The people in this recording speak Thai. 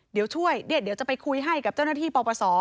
เดี๋ยวช่วยเดี๋ยวจะไปคุยให้กับเจ้าหน้าที่ปปศ